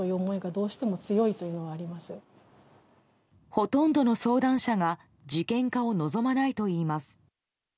ほとんどの相談者が事件化を望まないといいます。